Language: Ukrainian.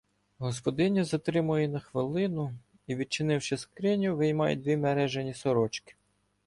Господиня затримує на хвилину і, відчинивши скриню, виймає дві мережані сорочки.